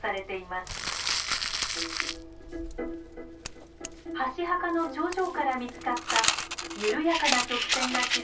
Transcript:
箸墓の頂上から見つかった緩やかな曲線が刻まれた土器の破片。